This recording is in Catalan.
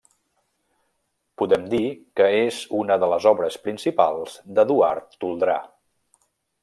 Podem dir que és una de les obres principals d'Eduard Toldrà.